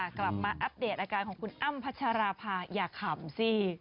กลับมาอัปเดตอาการของคุณอ้ำพัชราภาอย่าขำสิ